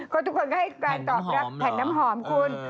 ก็ทุกคนก็ให้การตอบรับแผ่นน้ำหอมคุณ